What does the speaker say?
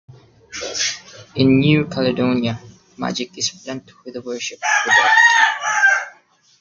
In New Caledonia, magic is blent with the worship of the dead.